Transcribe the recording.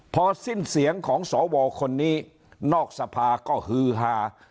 พอสิ้นเสียงของสวคนนี้นอกสภาก็ฮือฮา